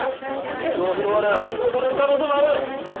手帳を拾われ悪用される可能性もある！